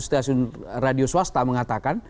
stasiun radio swasta mengatakan